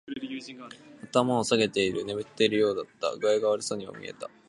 頭を下げている。眠っているようだった。具合が悪そうにも見えた。